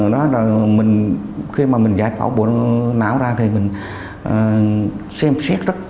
đó là khi mà mình giải phẫu bộ não ra thì mình xem xét rất nhiều